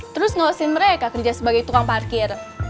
terus ngurusin mereka kerja sebagai tukang parkir